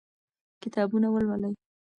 کتابونه ولولئ.